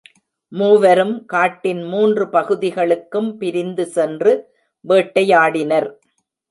மூவரும் காட்டின் மூன்று பகுதிகளுக்குப் பிரிந்து சென்று வேட்டையாடினர்.